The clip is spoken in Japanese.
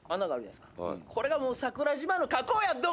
これがもう桜島の火口やっど